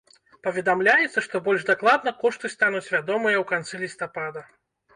Паведамляецца, што больш дакладна кошты стануць вядомыя ў канцы лістапада.